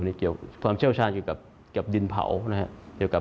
ในเกี่ยวกับความเชื่อวชาญอยู่กับดินเผานะฮะ